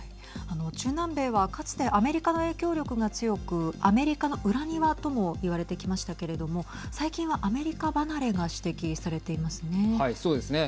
中南米はかつて、アメリカの影響力が強くアメリカの裏庭ともいわれてきましたけれども最近は、アメリカ離れが指摘されていますね。